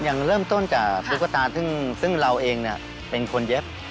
ยังเริ่มต้นจากตุ๊กตาซึ่งเราเองเป็นคนเย็บ